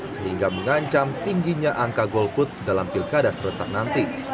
sehingga mengancam tingginya angka golput dalam pilkada serentak nanti